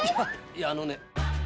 いやあのね。